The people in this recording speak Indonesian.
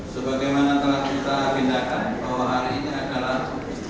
sebagai mana telah kita pindahkan bahwa hari ini adalah